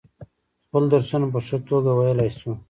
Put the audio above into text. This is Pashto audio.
خپل درسونه په ښه توگه ویلای شو.